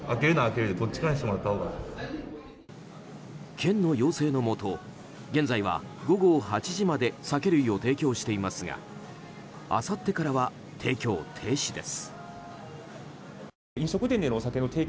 県の要請のもと現在は午後８時まで酒類を提供していますがあさってからは提供停止です。